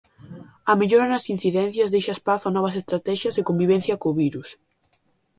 A mellora nas incidencias deixa espazo a novas estratexias de convivencia co virus.